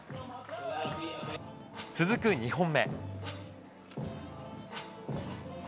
続く２本目。